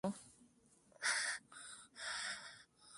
এবং মনোযোগ দিয়ে শুনো।